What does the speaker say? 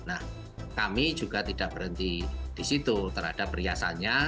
nah kami juga tidak berhenti di situ terhadap perhiasannya